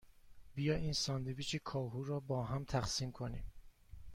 بیا این ساندویچ کاهو را باهم تقسیم کنیم.